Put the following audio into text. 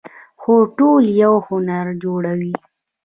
خو ټول یو هند جوړوي.